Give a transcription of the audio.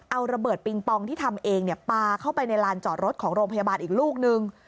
เอาระเบิดปิงปองที่ทำเองปลาเข้าไปในลานจอดรถของโรงพยาบาลอีกลูกนึง